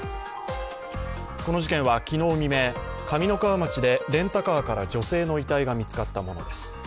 この事件は昨日未明、上三川町でレンタカーから女性の遺体が見つかったものです。